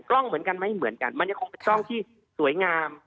กล้องเหมือนกันไหมเหมือนกันมันยังคงเป็นกล้องที่สวยงาม